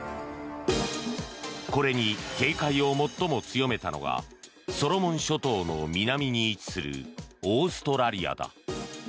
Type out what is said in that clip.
これに警戒を最も強めたのがソロモン諸島の南に位置するオーストラリアだ。